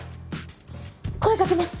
声かけます。